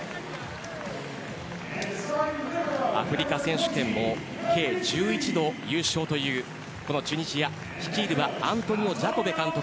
アフリカ選手権も計１１度優勝というこのチュニジアを率いるのはアントニオ・ジャコベ監督。